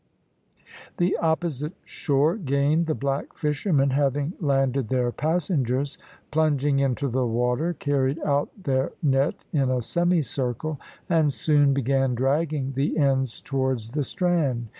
The opposite shore gained, the black fishermen having landed their passengers, plunging into the water, carried out their net in a semicircle, and soon began dragging the ends towards the strand.